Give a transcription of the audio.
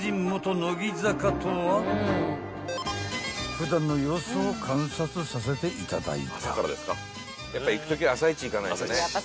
［普段の様子を観察させていただいた］